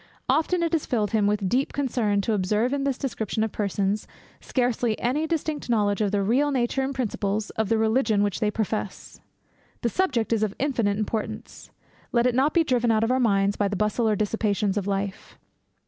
Often has it filled him with deep concern, to observe in this description of persons, scarcely any distinct knowledge of the real nature and principles of the religion which they profess. The subject is of infinite importance; let it not be driven out of our minds by the bustle or dissipations of life.